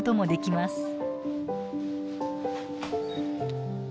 頂きます。